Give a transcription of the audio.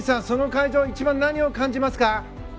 その会場一番、何を感じますか。